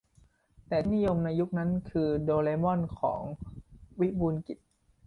แต่ที่นิยมในยุคนั้นคือโดเรมอน ของวิบูลย์กิจ